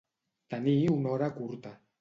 Tenir una hora curta.